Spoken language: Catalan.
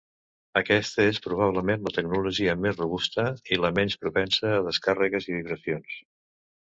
Aquesta és probablement la tecnologia més robusta, i la menys propensa a descàrregues i vibracions.